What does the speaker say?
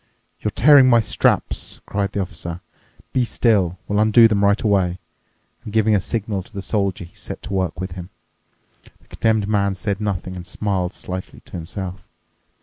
"You're tearing my straps," cried the Officer. "Be still! We'll undo them right away." And, giving a signal to the Soldier, he set to work with him. The Condemned Man said nothing and smiled slightly to himself.